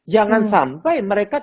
jangan sampai mereka